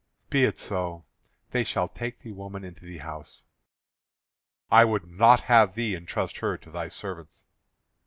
"Be it so; they shall take the woman into the house." "I would not have thee entrust her to thy servants."